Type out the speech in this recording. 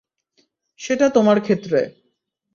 সেটা তোমার ক্ষেত্রে।